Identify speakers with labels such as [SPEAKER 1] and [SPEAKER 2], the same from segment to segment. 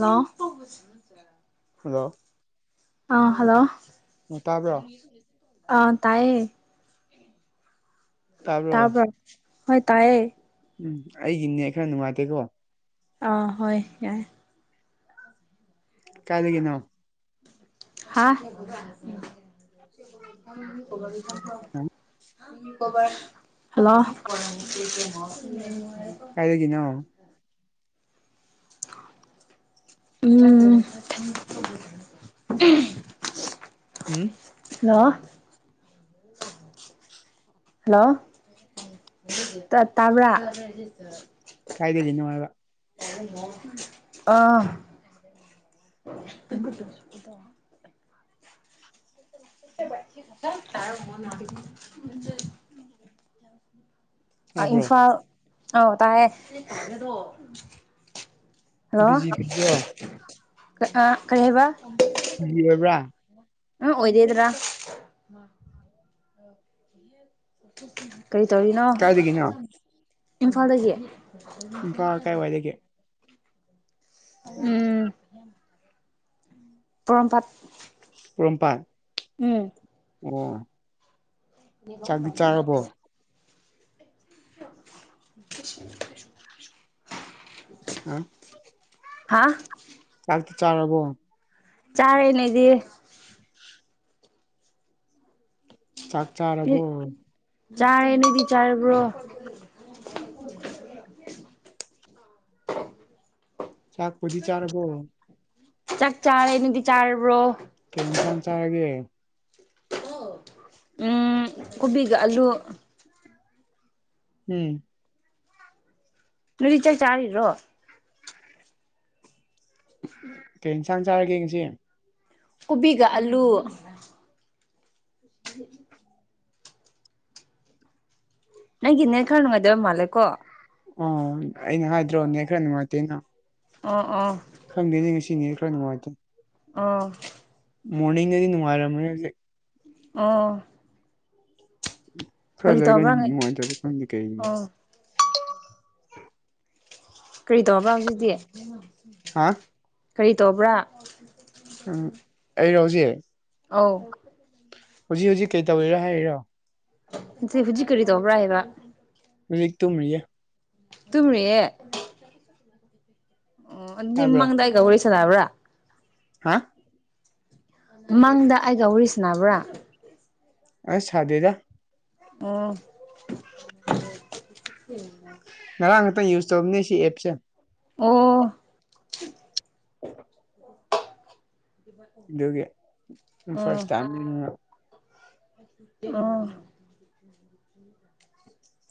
[SPEAKER 1] Hello
[SPEAKER 2] hello
[SPEAKER 1] ꯑꯥ hello
[SPEAKER 2] ꯑ ꯇꯥꯕ꯭ꯔꯣ
[SPEAKER 1] ꯑ ꯇꯥꯏꯌꯦ
[SPEAKER 2] ꯇꯥꯕ꯭ꯔꯣ
[SPEAKER 1] ꯇꯥꯕ꯭ꯔꯥ ꯍꯣꯏ ꯇꯥꯏꯑꯦ
[SPEAKER 2] ꯎꯝ ꯑꯩꯒꯤ ꯅꯦꯠ ꯈꯔ ꯅꯨꯡꯉꯥꯏꯇꯦꯀꯣ
[SPEAKER 1] ꯑ ꯍꯣꯏ ꯌꯥꯥꯏ
[SPEAKER 2] ꯀꯥꯏ ꯂꯩꯔꯤꯅꯣ
[SPEAKER 1] ꯍꯥ ꯍꯜꯂꯣ
[SPEAKER 2] ꯀꯥꯏ ꯂꯩꫪꯤꯅꯣ
[SPEAKER 1] ꯎꯝ
[SPEAKER 2] ꯎꯝ
[SPEAKER 1] ꯍꯜꯂꯣ ꯍꯜꯂꯣ ꯇꯥꯕ꯭ꯔꯥ
[SPEAKER 2] ꯀꯥꯏꯂꯩꯔꯤꯅꯣ ꯍꯥꯏꯕ
[SPEAKER 1] ꯑꯥ [inaudible] ꯑꯥ
[SPEAKER 2] ꯇꯥꯕ꯭ꯔꯣ
[SPEAKER 1] ꯏꯝꯐꯥꯜ ꯑꯥꯎ ꯇꯥꯌꯦ ꯍꯜꯂꯣ
[SPEAKER 2] ꯕꯤꯖꯤ ꯕ꯭ꯔꯣ
[SPEAKER 1] ꯀꯥ ꯑꯥ ꯀꯩ ꯍꯥꯏꯕ
[SPEAKER 2] ꯕꯤ ꯑꯣꯏꯕ꯭ꯔꯥ
[SPEAKER 1] ꯑꯥ ꯑꯣꯏꯗꯦꯗ꯭ꯔꯥ ꯀꯩ ꯇꯧꯔꯤꯅꯣ
[SPEAKER 2] ꯀꯥꯏꯗꯒꯤꯅꯣ
[SPEAKER 1] ꯏꯝꯐꯥꯜꯗꯒꯤ
[SPEAKER 2] ꯏꯝꯐꯥꯜ ꯀꯥꯏ ꯋꯥꯏꯗꯒꯤ
[SPEAKER 1] ꯎꯝ ꯄꯣꯔꯣꯝꯄꯥꯠ
[SPEAKER 2] ꯄꯣꯔꯣꯝꯄꯥꯠ
[SPEAKER 1] ꯎꯝ
[SPEAKER 2] ꯑꯣ ꯆꯥꯛꯇꯤ ꯆꯥꯔꯕꯣ
[SPEAKER 1] [inaudible]
[SPEAKER 2] ꯍꯥ
[SPEAKER 1] ꯑꯥ
[SPEAKER 2] ꯆꯥꯛ ꯆꯥꯔꯕꯣ
[SPEAKER 1] ꯆꯥꯔꯦ ꯂꯩꯗꯤꯌꯦ
[SPEAKER 2] ꯆꯥꯛ ꯆꯥꯔꯕꯣ
[SPEAKER 1] ꯆꯥꯔꯦ ꯅꯣꯏꯗꯤ ꯆꯥꯔꯕ꯭ꯔꯣ [inaudible]
[SPEAKER 2] ꯆꯥꯛꯄꯨꯗꯤ ꯆꯥꯔꯕꯣ
[SPEAKER 1] ꯆꯥꯛ ꯆꯥꯔꯦ ꯅꯪꯗꯤ ꯆꯥꯔꯕ꯭ꯔꯣ
[SPEAKER 2] ꯀꯩ ꯏꯟꯁꯥꯡ ꯆꯥꯔꯒꯦ
[SPEAKER 1] [unintelligible] ꯎꯝ ꯀꯣꯕꯤꯒ ꯑꯂꯨ
[SPEAKER 2] ꯎꯝ
[SPEAKER 1] ꯅꯣꯏꯗꯤ ꯆꯥꯛ ꯆꯥꯔꯤꯔꯣ
[SPEAKER 2] ꯀꯩ ꯏꯟꯁꯥꯡ ꯆꯥꯔꯒꯦ ꯉꯁꯤ
[SPEAKER 1] ꯀꯣꯕꯤꯒ ꯑꯂꯨ [inaudible] ꯅꯪꯒꯤ ꯅꯦ ꯈꯔ ꯅꯨꯡꯉꯥꯏꯇꯕ ꯃꯥꯜꯂꯦꯀꯣ
[SPEAKER 2] ꯑꯣꯝ ꯑꯩꯅ ꯍꯥꯏꯗ꯭ꯔꯣ ꯅꯦꯠ ꯈꯔ ꯅꯨꯡꯉꯥꯏꯇꯦ ꯍꯩꯅ
[SPEAKER 1] ꯑꯣ ꯑꯣ
[SPEAKER 2] ꯈꯪꯗꯦꯅꯦ ꯉꯁꯤ ꯅꯦ ꯈꯔ ꯅꯨꯡꯉꯥꯏꯇꯦ
[SPEAKER 1] ꯑꯣ
[SPEAKER 2] ꯃꯣꯔꯅꯤꯡꯗꯗꯤ ꯅꯨꯡꯉꯥꯏꯔꯝꯒꯅꯤ ꯍꯧꯖꯤꯛ
[SPEAKER 1] ꯑꯣ ꯀꯔꯤ ꯇꯧꯕ꯭ꯔꯥ
[SPEAKER 2] [unintelligible]
[SPEAKER 1] ꯑꯣ ꯀꯔꯤ ꯇꯧꯕ꯭ꯔꯥ ꯍꯧꯖꯤꯗꯤ
[SPEAKER 2] ꯍꯥ
[SPEAKER 1] ꯀꯔꯤ ꯇꯧꯕ꯭ꯔꯥ
[SPEAKER 2] ꯎꯝ ꯑꯩ ꯍꯧꯖꯤ
[SPEAKER 1] ꯑꯧ
[SPEAKER 2] ꯍꯧꯖꯤ ꯍꯧꯖꯤꯛ ꯀꯩ ꯇꯧꯔꯤꯔ ꯍꯥꯏꯔꯤꯔꯣ
[SPEAKER 1] ꯖꯤ ꯍꯧꯖꯤꯛ ꯀꯔꯤ ꯇꯧꯕ꯭ꯔꯥ ꯍꯥꯏꯕ
[SPEAKER 2] ꯔꯤꯛ ꯇꯨꯝꯃꯤꯌꯦ
[SPEAKER 1] ꯇꯨꯝꯔꯤꯌꯦ ꯑꯣ ꯑꯗꯨꯗꯤ
[SPEAKER 2] ꯇꯥꯕ꯭ꯔꯣ
[SPEAKER 1] ꯃꯃꯥꯡꯗ ꯑꯩꯒ ꯋꯥꯔꯤ ꯁꯅꯥꯕ꯭ꯔ
[SPEAKER 2] ꯍꯥ
[SPEAKER 1] ꯃꯡꯗ ꯑꯩꯒ ꯋꯥꯔꯤ ꯁꯥꯅꯕ꯭ꯔꯥ
[SPEAKER 2] ꯑꯩ ꯁꯥꯗꯦꯗ
[SPEAKER 1] ꯑꯣ
[SPEAKER 2] ꯉꯔꯥꯡꯇ ꯌꯨꯁ ꯇꯧꯕꯅꯦ ꯁꯤ ꯑꯦꯞꯁꯦ
[SPEAKER 1] ꯑꯣ
[SPEAKER 2] [inaudible] ꯑꯗꯨꯒꯤ ꯐꯥꯁ ꯇꯥꯏꯝ
[SPEAKER 1] ꯑꯥ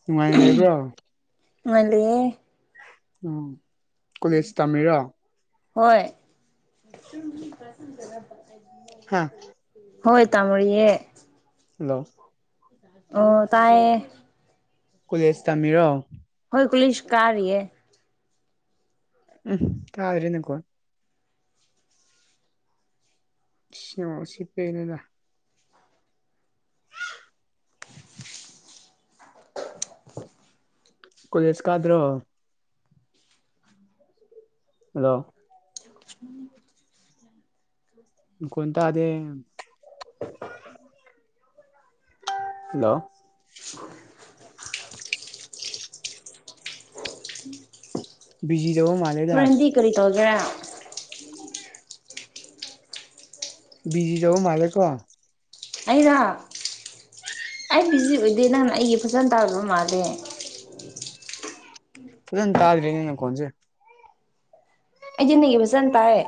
[SPEAKER 2] ꯅꯨꯡꯉꯥꯏꯅ ꯂꯩꯕ꯭ꯔꯣ
[SPEAKER 1] ꯅꯨꯡꯉꯥꯏꯅ ꯂꯩꯌꯦ
[SPEAKER 2] ꯎꯝ ꯀꯣꯂꯦꯖ ꯇꯝꯃꯤꯔꯣ
[SPEAKER 1] ꯍꯣꯏ
[SPEAKER 2] ꯍꯥ
[SPEAKER 1] ꯍꯣꯏ ꯇꯝꯃꯤꯌꯦ
[SPEAKER 2] ꯍꯦꯜꯂꯣ
[SPEAKER 1] ꯑꯣ ꯇꯥꯏꯌꯦ
[SPEAKER 2] ꯀꯣꯂꯦꯖ ꯇꯝꯃꯤꯔꯣ
[SPEAKER 1] ꯍꯣꯏ ꯀꯣꯂꯦꯁ ꯀꯥꯔꯤꯌꯦ
[SPEAKER 2] ꯎꯝ ꯀꯥꯏꯔꯦꯅꯦ ꯀꯣꯟ ꯁꯤꯃꯣ ꯁꯤ ꯄꯦꯟꯂꯦꯗ ꯀꯣꯂꯦꯖ ꯀꯥꯗ꯭ꯔꯣ ꯑꯗꯣ
[SPEAKER 1] [inaudible]
[SPEAKER 2] ꯃꯈꯣꯟ ꯇꯥꯗꯦ ꯍꯦꯜꯂꯣ
[SPEAKER 1] [inaudible]
[SPEAKER 2] ꯄꯤꯖꯤ ꯇꯧꯕ ꯃꯥꯜꯂꯦ
[SPEAKER 1] ꯍꯣꯔꯦꯟꯗꯤ ꯀꯔꯤ ꯇꯧꯒꯦꯔꯥ
[SPEAKER 2] ꯄꯤꯖꯤ ꯇꯧꯕ ꯃꯥꯜꯂꯦꯀꯣ
[SPEAKER 1] ꯑꯩꯅ ꯑꯩ ꯕꯤꯖꯤ ꯑꯣꯏꯗꯦ ꯅꯪꯅ ꯑꯩꯒꯤ ꯐꯖꯅ ꯇꯥꯗꯕ ꯃꯥꯜꯂꯦ
[SPEAKER 2] ꯐꯖꯅ ꯇꯥꯗ꯭ꯔꯦ ꯅꯈꯣꯟꯁꯦ
[SPEAKER 1] ꯑꯩꯗꯤ ꯅꯪꯒꯤ ꯐꯖꯅ ꯇꯥꯏꯌꯦ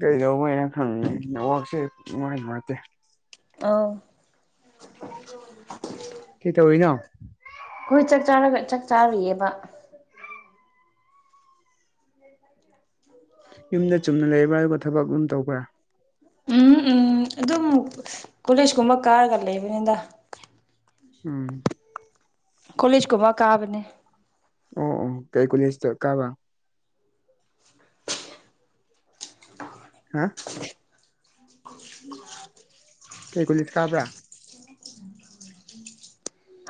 [SPEAKER 2] ꯀꯩꯗꯧꯕꯩꯅꯣ ꯈꯪꯗꯦ ꯅꯦꯠꯋꯥꯛꯁꯦ ꯁꯨꯡꯉꯥꯏ ꯅꯨꯡꯉꯥꯏꯇꯦ
[SPEAKER 1] ꯑꯧ
[SPEAKER 2] ꯀꯩꯗꯧꯔꯤꯅꯣ
[SPEAKER 1] ꯑꯩꯈꯣꯏ ꯆꯥꯛ ꯆꯔ ꯆꯥꯛ ꯆꯥꯔꯨꯏꯌꯦꯕ [inaudible]
[SPEAKER 2] ꯌꯨꯝꯗ ꯆꯨꯝꯅ ꯂꯩꯕ꯭ꯔꯥ ꯑꯗꯨꯒ ꯊꯕꯛ ꯑꯗꯨꯝ ꯇꯧꯕ꯭ꯔꯥ
[SPEAKER 1] ꯎꯝ ꯎꯝ ꯎꯝ ꯑꯗꯨꯝ ꯀꯣꯂꯦꯖꯀꯨꯝꯕ ꯀꯥꯔꯒ ꯂꯩꯕꯅꯤꯗ
[SPEAKER 2] ꯎꯝ
[SPEAKER 1] ꯀꯣꯂꯦꯖꯀꯨꯝꯕ ꯀꯥꯕꯅꯦ
[SPEAKER 2] ꯑꯣ ꯑꯣ ꯀꯩ ꯀꯣꯂꯦꯖꯇ ꯀꯥꯕ ꯍꯥ ꯀꯩ ꯒꯨꯂꯤꯠ ꯇꯥꯕ꯭ꯔꯥ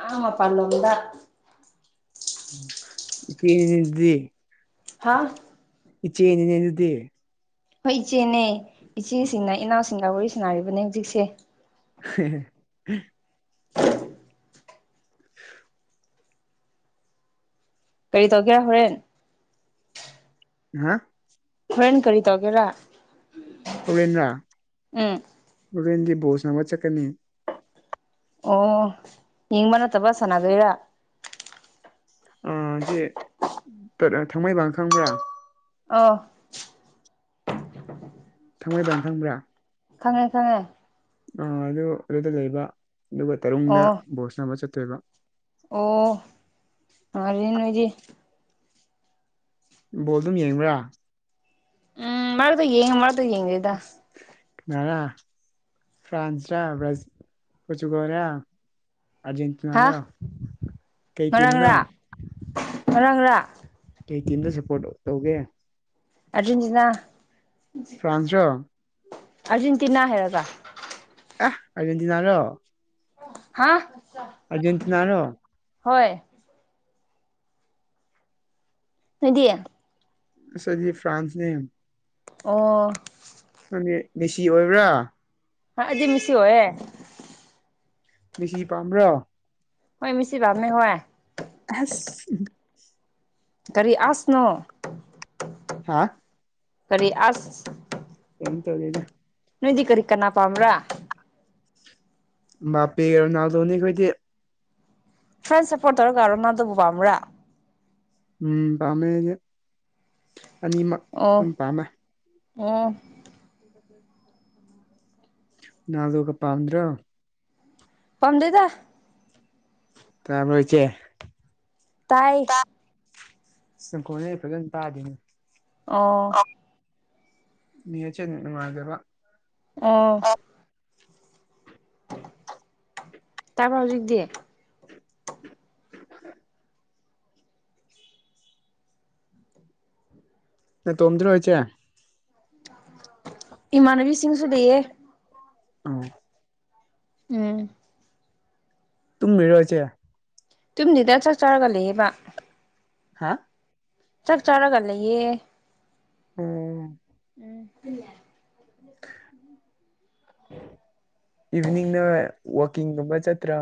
[SPEAKER 1] ꯑꯥ ꯃꯄꯥꯟꯂꯣꯝꯗ
[SPEAKER 2] [unintelligible]
[SPEAKER 1] ꯍꯥꯥ
[SPEAKER 2] ꯏꯆꯦꯅꯤꯅꯦ ꯑꯗꯨꯗꯤ
[SPEAKER 1] ꯍꯣꯏ ꯏꯆꯦꯅꯦ ꯏꯆꯦꯁꯤꯡꯅ ꯏꯅꯥꯎꯁꯤꯡꯒ ꯋꯥꯔꯤ ꯁꯥꯅꯔꯤꯕꯅꯦ ꯍꯧꯖꯤꯛꯁꯦ
[SPEAKER 2] [unintelligible] [unintelligible]
[SPEAKER 1] ꯀꯔꯤ ꯇꯧꯒꯦ ꯍꯣꯔꯦꯟ
[SPEAKER 2] ꯍꯥ
[SPEAKER 1] ꯍꯣꯔꯦꯟ ꯀꯔꯤꯗ ꯇꯧꯒꯦꯔꯥ
[SPEAKER 2] ꯍꯣꯔꯦꯟꫪꯥ
[SPEAKER 1] ꯎꯝ
[SPEAKER 2] ꯍꯣꯔꯦꯟꯗꯤ ꯕꯣꯜ ꯁꯥꯟꯅꯕ ꯆꯠꯀꯅꯤ
[SPEAKER 1] ꯑꯣ ꯌꯦꯡꯕ ꯅꯠꯇꯕ ꯁꯥꯟꯅꯗꯣꯏꯔꯥ
[SPEAKER 2] ꯑꯁꯤ ꯊꯥꯡꯃꯩꯕꯟ ꯈꯪꯕ꯭ꯔꯥ
[SPEAKER 1] ꯑꯣ
[SPEAKER 2] ꯊꯥꯡꯃꯩꯕꯅ ꯈꯪꯕ꯭ꯔꯥ
[SPEAKER 1] ꯈꯪꯉꯦ ꯈꯪꯉꯦ
[SPEAKER 2] ꯑ ꯑꯗꯨ ꯑꯗꯨꯗ ꯂꯩꯕ ꯑꯗꯨꯒ ꯇꯔꯨꯡꯗ
[SPEAKER 1] ꯑꯣ
[SPEAKER 2] ꯕꯣꯜ ꯁꯥꯟꯅꯕ ꯆꯠꯇꯣꯏꯕ
[SPEAKER 1] ꯑꯣ ꯅꯨꯡꯉꯥꯏꯔꯦ ꯅꯣꯏꯗꯤ
[SPEAKER 2] ꯕꯣꯜ ꯑꯗꯨꯝ ꯌꯦꯡꯕ꯭ꯔꯥ
[SPEAKER 1] ꯎꯝ ꯃꯥꯔꯛꯇ ꯌꯦꯡ ꯃꯥꯔꯛꯇ ꯌꯦꯡꯗꯦꯗ
[SPEAKER 2] ꯑꯁ ꯉꯔꯥꯡ ꯐ꯭ꯔꯥꯟꯁ ꯔꯥ ꯕ꯭ꯔꯥꯖꯤ ꯄꯣꯔꯇꯨꯒꯔ ꯔꯥ ꯑꯖꯦꯟꯇꯤꯅꯥ
[SPEAKER 1] ꯍꯥ
[SPEAKER 2] ꯔ ꯀꯩ ꯇꯤꯝꯅꯣ
[SPEAKER 1] ꯃꯔꯥꯡꯔ
[SPEAKER 2] ꯀꯩ ꯇꯤꯝꯗ ꯁꯄꯣꯔꯠ ꯇꯧꯒꯦ
[SPEAKER 1] ꯑꯔꯖꯦꯟꯇꯤꯅꯥ
[SPEAKER 2] ꯐ꯭ꯔꯥꯟꯁꯔꯣ
[SPEAKER 1] ꯑꯔꯖꯦꯟꯇꯤꯅꯥ ꯍꯥꯏꯔꯒ
[SPEAKER 2] ꯑꯦ ꯑꯔꯖꯦꯟꯇꯤꯅꯥ ꯔꯣ
[SPEAKER 1] ꯍꯥ
[SPEAKER 2] ꯑꯔꯖꯦꯟꯇꯤꯅꯥꯔꯣ
[SPEAKER 1] ꯍꯣꯏ ꯅꯪꯗꯤ
[SPEAKER 2] ꯑꯁ ꯑꯩꯗꯤ ꯐ꯭ꯔꯥꯟꯁꯅꯦ
[SPEAKER 1] ꯑꯣ
[SPEAKER 2] ꯅꯪꯗꯤ ꯃꯦꯁꯤ ꯑꯣꯏꯕ꯭ꯔꯥ
[SPEAKER 1] ꯍꯣꯏ ꯑꯩꯗꯤ ꯃꯦꯁꯤ ꯑꯣꯏꯌꯦ
[SPEAKER 2] ꯃꯦꯁꯤ ꯄꯥꯝꯕ꯭ꯔꯣ
[SPEAKER 1] ꯍꯣꯏ ꯃꯦꯁꯤ ꯄꯥꯝꯃꯦ ꯍꯣꯏ
[SPEAKER 2] ꯑꯍꯁ
[SPEAKER 1] ꯀꯔꯤ ꯑꯁꯅꯣ
[SPEAKER 2] ꯍꯥ
[SPEAKER 1] ꯀꯔꯤ ꯑꯁ
[SPEAKER 2] ꯀꯦꯝ ꯇꯧꯗꯦꯗ
[SPEAKER 1] ꯅꯣꯏꯗꯤ ꯀꯔꯤ ꯀꯅꯥ ꯄꯥꯝꯕ꯭ꯔꯥ
[SPEAKER 2] ꯕꯥꯞꯄꯦꯒ ꯔꯣꯅꯥꯜꯗꯣꯅꯦ ꯑꯩꯈꯣꯏꯗꯤ꯫
[SPEAKER 1] ꯐ꯭ꯔꯥꯟꯁ ꯁ꯭ꯄꯣꯔꯇ ꯇꯧꯔꯒ ꯔꯣꯅꯥꯜꯗꯣꯕꯨ ꯄꯥꯝꯕ꯭ꯔ
[SPEAKER 2] ꯎꯝ ꯄꯥꯝꯃꯦ ꯑꯩꯗꯤ ꯑꯅꯤꯃꯛ
[SPEAKER 1] ꯑꯣ
[SPEAKER 2] ꯑꯗꯨꯝ ꯄꯥꯝꯃꯦ꯫
[SPEAKER 1] ꯑꯣ
[SPEAKER 2] ꯔꯣꯅꯥꯜꯗꯣꯒ ꯄꯥꯝꯗ꯭ꯔꯣ
[SPEAKER 1] ꯄꯥꯝꯗꯦꯗ꯫
[SPEAKER 2] ꯇꯥꯕ꯭ꯔꯣ ꯏꯆꯦ
[SPEAKER 1] ꯇꯥꯏ
[SPEAKER 2] ꯁꯪꯈꯣꯟꯖꯦ ꯐꯖ ꯇꯥꯗꯦꯅꯦ꯫
[SPEAKER 1] ꯑꯣ
[SPEAKER 2] ꯅꯦꯠꯁꯦ ꯅꯨꯡꯉꯥꯏꯇꯦꯕ
[SPEAKER 1] ꯑꯣ ꯇꯥꯔꯕ꯭ꯔꯥ ꯍꯨꯖꯤꯛꯇꯤ
[SPEAKER 2] ꯅꯇꯣꯝꯗ꯭ꯔꯣ ꯏꯆꯦ
[SPEAKER 1] ꯏꯃꯥꯟꯅꯕꯤꯁꯤꯡꯁꯨ ꯂꯩꯌꯦ꯫
[SPEAKER 2] ꯎꯝ
[SPEAKER 1] ꯎꯝ
[SPEAKER 2] ꯇꯨꯝꯒ꯭ꯔꯤꯔꯣ ꯏꯆꯦ
[SPEAKER 1] ꯇꯨꯝꯗꯦꯗ ꯆꯥꯛ ꯆꯥꯔꯒ ꯂꯩꯌꯦꯕ꯫
[SPEAKER 2] ꯍꯥ
[SPEAKER 1] ꯆꯥꯛ ꯆꯔꯒ ꯂꯩꯌꯦ꯫
[SPEAKER 2] ꯎꯝ
[SPEAKER 1] ꯎꯝ [unintelligible]
[SPEAKER 2] ꯏꯚꯤꯅꯤꯡꯗ ꯋꯥꯛꯀꯤꯡꯒꯨꯝꯕ ꯆꯠꯇ꯭ꯔꯣ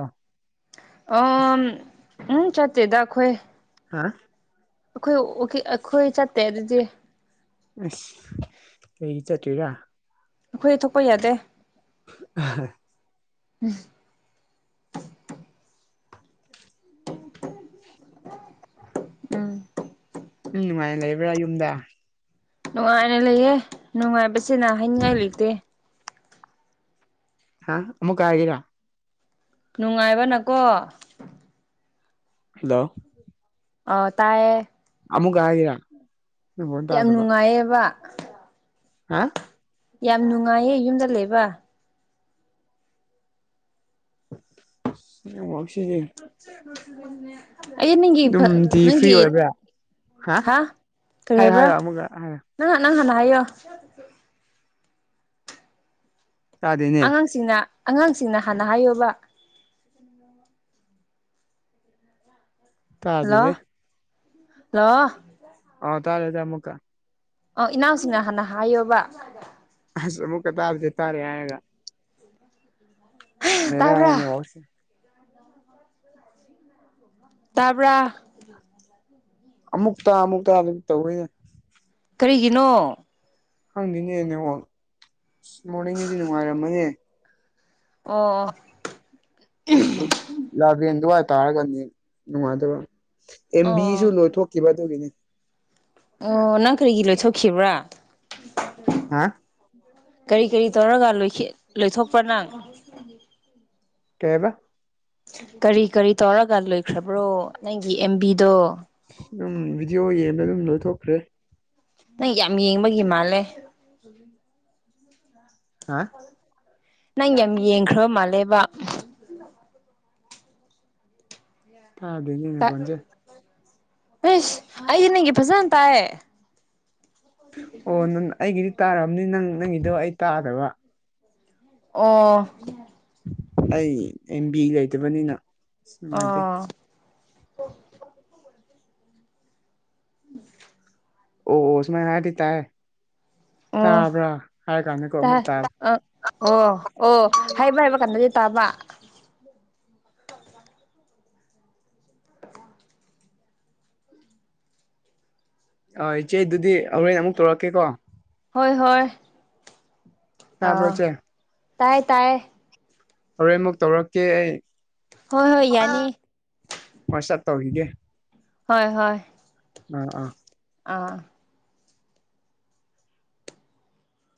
[SPEAKER 1] ꯑꯝ ꯎꯝ ꯆꯠꯇꯦꯗ ꯑꯩꯈꯣꯏ
[SPEAKER 2] ꯍꯥ
[SPEAKER 1] ꯑꯩꯈꯣꯏ ꯋꯥꯛꯀꯤ ꯑꯩꯈꯣꯏ ꯆꯠꯇꯦ ꯑꯗꯨꯗꯤ
[SPEAKER 2] ꯑꯩꯁ ꯀꯩꯒꯤ ꯆꯠꯇ꯭ꯔꯤꯔ
[SPEAKER 1] ꯑꯩꯈꯣꯏ ꯊꯣꯛꯄ ꯌꯥꯗꯦ꯫
[SPEAKER 2] [unintelligible]
[SPEAKER 1] [unintelligible] [unintelligible] ꯎꯝ
[SPEAKER 2] ꯎꯝ ꯅꯨꯡꯉꯥꯏꯅ ꯂꯩꯕ꯭ꯔꯥ ꯌꯨꯝꯗ
[SPEAKER 1] ꯅꯨꯡꯉꯥꯏꯅ ꯂꯩꯌꯦ ꯅꯨꯡꯉꯥꯏꯕꯁꯤꯅ ꯍꯥꯏꯅꯤꯡꯉꯥꯏ ꯂꯩꯇꯦ꯫
[SPEAKER 2] ꯍꯥ ꯑꯃꯨꯛꯀ ꯍꯥꯏꯒꯦꯔ
[SPEAKER 1] ꯅꯨꯡꯉꯥꯏꯕꯅꯀꯣ
[SPEAKER 2] ꯍꯜꯂꯣ
[SPEAKER 1] ꯑꯣ ꯇꯥꯏꯌꯦ
[SPEAKER 2] ꯑꯃꯨꯛꯀ ꯍꯥꯏꯒꯦꯔ
[SPEAKER 1] ꯌꯥꯝ ꯅꯨꯡꯉꯥꯏꯌꯦꯕ
[SPEAKER 2] ꯍꯥ
[SPEAKER 1] ꯌꯥꯝ ꯅꯨꯡꯉꯥꯏꯌꯦ ꯌꯨꯝꯗ ꯂꯩꯕ꯫
[SPEAKER 2] [unintelligible] ꯅꯦꯠꯋ꯭ꯥꯔꯛꯁꯤꯗꯤ
[SPEAKER 1] [inaudible] ꯑꯩ ꯅꯪꯒꯤ
[SPEAKER 2] ꯑꯗꯨꯝ ꯇꯤ ꯐ꯭ꯔꯤ
[SPEAKER 1] ꯅꯪꯒꯤ
[SPEAKER 2] ꯑꯣꯏꯕ꯭ꯔꯥ
[SPEAKER 1] ꯍꯥ ꯀꯔꯤ
[SPEAKER 2] ꯍꯥꯏꯔꯣ
[SPEAKER 1] ꯍꯥꯏꯕ꯭ꯔꯥ
[SPEAKER 2] ꯍꯥꯏꯔꯣ ꯑꯃꯨꯛꯀ ꯍꯥꯏꯔꯣ
[SPEAKER 1] ꯅꯪ ꯍꯥꯟꯅ ꯍꯥꯏꯌꯣ
[SPEAKER 2] ꯇꯥꯗꯦꯅꯦ
[SPEAKER 1] ꯁꯤꯡꯅ ꯑꯉꯥꯡꯁꯤꯡꯅ ꯍꯥꯟꯅ ꯍꯥꯏꯌꯣꯕ ꯍꯜꯂꯣ
[SPEAKER 2] ꯇꯥꯗꯦꯍꯦ
[SPEAKER 1] ꯍꯜꯂꯣ
[SPEAKER 2] ꯑꯥꯎ ꯇꯥꯔꯦ ꯇꯥꯔꯦ ꯑꯃꯨꯛꯀꯥ
[SPEAKER 1] ꯑꯣ ꯏꯅꯥꯎꯁꯤꯡꯅ ꯍꯥꯟꯅ ꯍꯥꯏꯌꯣꯕ
[SPEAKER 2] ꯍꯧꯖꯤꯛ ꯑꯃꯨꯛꯀ ꯇꯥꯔꯦ ꯇꯥꯔꯦ ꯍꯥꯏꯔꯣ
[SPEAKER 1] [inaudible]
[SPEAKER 2] ꯕꯦꯔꯥꯅꯦ ꯅꯦꯠꯋꯥꯛꯁꯦ
[SPEAKER 1] ꯇꯥꯕ꯭ꯔ
[SPEAKER 2] ꯑꯃꯨꯛꯇ ꯑꯃꯨꯛ ꯇꯥꯗꯕ ꯇꯧꯋꯤꯅꯦ
[SPEAKER 1] ꯀꯔꯤꯒꯤꯅꯣ
[SPEAKER 2] ꯈꯪꯗꯦꯅꯦ ꯅꯦꯠꯋꯥꯛ ꯑꯁ ꯃꯣꯔꯅꯤꯡꯒꯤꯗꯤ ꯅꯨꯡꯉꯥꯏꯔꯝꯃꯣꯏꯍꯦ
[SPEAKER 1] ꯑꯣ ꯑꯣ
[SPEAKER 2] ꯂꯥꯕꯦꯟ ꯑꯗꯨꯋꯥꯏ ꯇꯥꯔꯒꯗꯤ ꯅꯨꯡꯉꯥꯏꯇꯕ ꯑꯦꯝ ꯕꯤ ꯁꯨ ꯂꯣꯏꯊꯣꯛꯈꯤꯕ ꯑꯗꯨꯒꯤꯅꯤ
[SPEAKER 1] ꯑꯣ ꯅꯪ ꯀꯔꯤꯒꯤ ꯂꯣꯏꯊꯣꯛꯈꯤꯕ꯭ꯔꯥ
[SPEAKER 2] ꯍꯥ
[SPEAKER 1] ꯀꯔꯤ ꯀꯔꯤ ꯇꯧꯔꯒ ꯂꯣꯏꯈꯤ ꯂꯣꯏꯊꯣꯛꯄ꯭ꯔꯥ ꯅꯪ [inaudible]
[SPEAKER 2] ꯀꯩ ꯍꯥꯏꯕ
[SPEAKER 1] ꯀꯔꯤ ꯀꯔꯤ ꯇꯧꯔꯒ ꯂꯣꯏꯈ꯭ꯔꯕ꯭ꯔꯣ ꯅꯪꯒꯤ ꯑꯦꯝꯕꯤꯗꯣ
[SPEAKER 2] ꯑꯗꯨꯝ ꯚꯤꯗꯤꯑꯣ ꯌꯦꯡꯕꯗ ꯑꯗꯨꯝ ꯂꯣꯏꯊꯣꯛꯈ꯭ꯔꯦ
[SPEAKER 1] ꯅꯪ ꯌꯥꯝ ꯌꯦꯡꯕꯒꯤ ꯃꯥꯜꯂꯦ [unintelligible]
[SPEAKER 2] ꯍꯥ
[SPEAKER 1] ꯅꯪ ꯌꯥꯝ ꯌꯦꯡꯈ꯭ꯔꯕ ꯃꯥꯜꯂꯦꯕ
[SPEAKER 2] ꯇꯥꯗꯦꯅꯦ ꯅꯈꯣꯟꯖꯦ
[SPEAKER 1] ꯑꯁ ꯑꯩꯗꯤ ꯅꯪꯒꯤ ꯐꯖꯅ ꯇꯥꯏꯌꯦ
[SPEAKER 2] ꯑꯣ ꯅꯪ ꯑꯩꯒꯤꯗꯤ ꯇꯥꯔꯝꯅꯤ ꯅꯪ ꯅꯪꯒꯤꯗꯣ ꯑꯩ ꯇꯥꯗꯕ
[SPEAKER 1] ꯑꯣ
[SPEAKER 2] ꯑꯩ ꯑꯦꯝ ꯕꯤ ꯂꯩꯇꯕꯅꯤꯅ ꯑꯁ ꯅꯨꯡꯉꯥꯏꯇꯦ
[SPEAKER 1] ꯑꯣ
[SPEAKER 2] ꯑꯣ ꯑꯣ ꯁꯨꯃꯥꯏꯅ ꯍꯥꯏꯔꯗꯤ ꯇꯥꯏ
[SPEAKER 1] ꯑꯣ
[SPEAKER 2] ꯇꯥꯕ꯭ꯔꯥ ꯍꯥꯏ ꯀꯥꯟꯗꯀꯣ ꯑꯃꯨꯛ
[SPEAKER 1] ꯇꯥꯏ
[SPEAKER 2] ꯇꯥꯕ
[SPEAKER 1] ꯑ ꯑꯣ ꯑꯣ ꯍꯥꯏꯕ ꯍꯥꯏꯕ ꯀꯥꯟꯗꯗꯤ ꯇꯥꯕ [inaudible]
[SPEAKER 2] ꯍꯣꯏ ꯏꯆꯦ ꯑꯗꯨꯗꯤ ꯍꯣꯔꯦꯟ ꯑꯃꯨꯛ ꯇꯧꯔꯛꯀꯦꯀꯣ
[SPEAKER 1] ꯍꯣꯏ ꯍꯣꯏ ꯑ
[SPEAKER 2] ꯇꯥꯕ꯭ꯔꯣ ꯏꯆꯦ
[SPEAKER 1] ꯇꯥꯏ ꯇꯥꯏ
[SPEAKER 2] ꯍꯣꯔꯦꯟ ꯑꯃꯨꯛ ꯇꯧꯔꯛꯀꯦ ꯑꯩ
[SPEAKER 1] ꯍꯣꯏ ꯍꯣꯏ ꯌꯥꯅꯤ
[SPEAKER 2] ꯋꯥꯆꯞ ꯇꯧꯈꯤꯒꯦ
[SPEAKER 1] ꯍꯣꯏ ꯍꯣꯏ
[SPEAKER 2] ꯑꯥ ꯑꯥ
[SPEAKER 1] ꯑꯥ